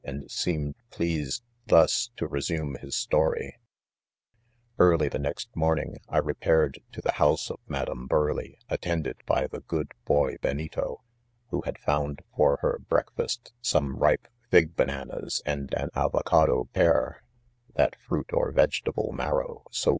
and seemed pleased thus to resume his story t Early the next morning 1 repaired to the house of Maclam Burleigh attended by the good boy Benito, who had found for her breakfast some ripe fig bananas and an avocado pznr^= that fruit Of vegetable marrow so